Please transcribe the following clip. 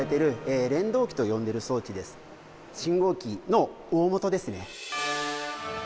信号機の大本ですね。